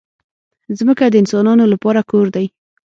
ځمکه د انسانانو لپاره کور دی.